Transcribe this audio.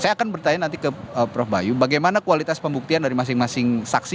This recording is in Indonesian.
saya akan bertanya nanti ke prof bayu bagaimana kualitas pembuktian dari masing masing saksi